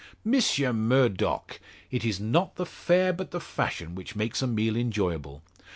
"Monsieur Murdock! It's not the fare, but the fashion, which makes a meal enjoyable.